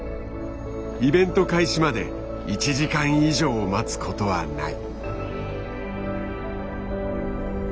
イベント開始まで１時間以上待つことはない。